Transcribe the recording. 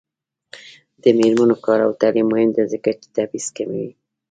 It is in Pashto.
د میرمنو کار او تعلیم مهم دی ځکه چې تبعیض کموي.